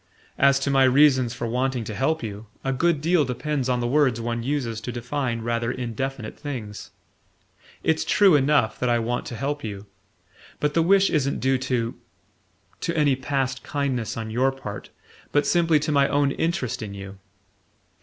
As to my reasons for wanting to help you, a good deal depends on the words one uses to define rather indefinite things. It's true enough that I want to help you; but the wish isn't due to ... to any past kindness on your part, but simply to my own interest in you.